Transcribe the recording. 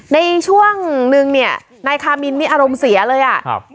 ในช่วงนึงเนี่ยนายคามินนี่อารมณ์เสียเลยอ่ะครับ